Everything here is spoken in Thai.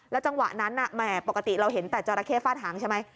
จังหวะนั้นแหมปกติเราเห็นแต่จราเข้ฟาดหางใช่ไหม